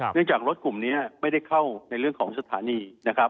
จากรถกลุ่มนี้ไม่ได้เข้าในเรื่องของสถานีนะครับ